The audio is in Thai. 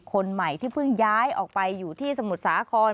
คนใหม่ที่เพิ่งย้ายออกไปอยู่ที่สมุทรสาคร